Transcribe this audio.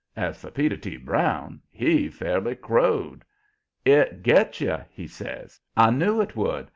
As for Peter T. Brown, he fairly crowed. "It gets you!" he says. "I knew it would.